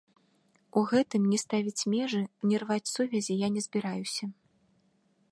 У гэтым ні ставіць межы, ні рваць сувязі я не збіраюся.